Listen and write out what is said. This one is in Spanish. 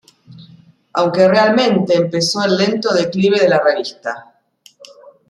Aunque realmente empezó el lento declive de la revista.